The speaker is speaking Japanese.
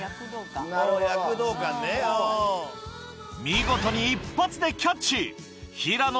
見事に一発でキャッチ！